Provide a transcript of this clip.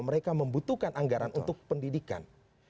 mereka membutuhkan anggaran untuk pendidikan